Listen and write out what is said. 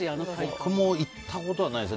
僕も行ったことはないです。